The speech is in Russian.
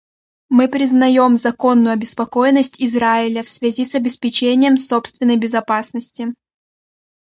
Мы признаем законную обеспокоенность Израиля в связи с обеспечением собственной безопасности.